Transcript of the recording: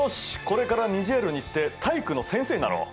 これからニジェールに行って体育の先生になろう！